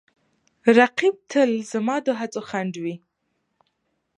رقیب تل زما د هڅو خنډ وي